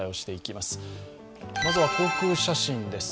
まずは、航空写真です。